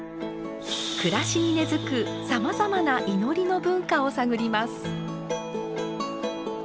暮らしに根づくさまざまな祈りの文化を探ります。